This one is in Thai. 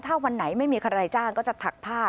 ถ้าวันไหนไม่มีใครจ้างก็จะถักผ้า